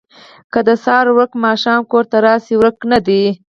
ـ که د سهار ورک ماښام کور ته راشي ورک نه دی.